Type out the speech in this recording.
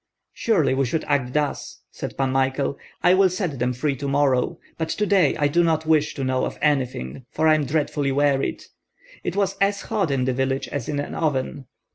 "Surely we should act thus," said Pan Michael. "I will set them free to morrow; but to day I do not wish to know of anything, for I am dreadfully wearied. It was as hot in the village as in an oven!